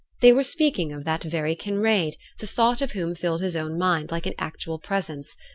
They were speaking of that very Kinraid, the thought of whom filled his own mind like an actual presence.